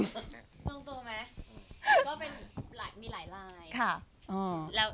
ลงตัวไหมก็มีหลายลาย